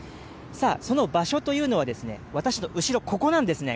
さあ、その場所というのは、私の後ろ、ここなんですね。